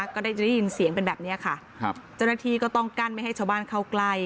ก็ได้จะได้ยินเสียงเป็นแบบนี้ค่ะครับเจ้าหน้าที่ก็ต้องกั้นไม่ให้ชาวบ้านเข้าใกล้